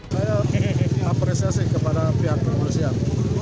saya apresiasi kepada pihak kepolisian